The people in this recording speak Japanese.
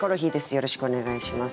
よろしくお願いします。